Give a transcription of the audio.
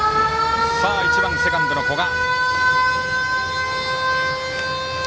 １番、セカンドの古賀。